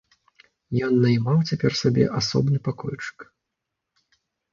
Ён наймаў цяпер сабе асобны пакойчык.